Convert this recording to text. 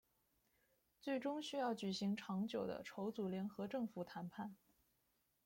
最终需要举行长久的筹组联合政府谈判。